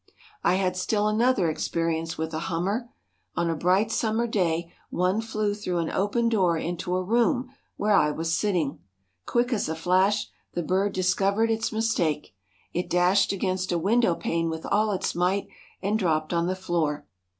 I had still another experience with a hummer. On a bright summer day one flew through an open door into a room where I was sitting. Quick as a flash the bird discovered its mistake. It dashed against a window pane with all its might and dropped on the floor.